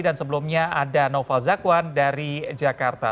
dan sebelumnya ada noval zakwan dari jakarta